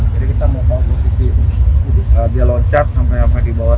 jadi kita mau posisi dia loncat sampai di bawah